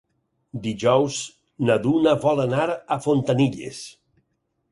Dijous na Duna vol anar a Fontanilles.